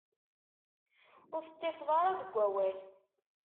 Ur teṭṭifeḍ ara deg awal.